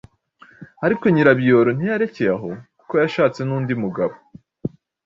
ariko Nyirabiyoro ntiyarekeye aho kuko yashatse n’undi mugabo